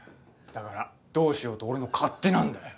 だからどうしようと俺の勝手なんだよ。